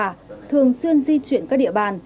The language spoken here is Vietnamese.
khó khăn vất vả thường xuyên di chuyển các địa bàn